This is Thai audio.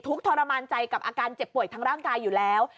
ทรมานใจกับอาการเจ็บป่วยทางร่างกายอยู่แล้ว